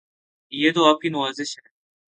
یہ تو آپ کی نوازش ہے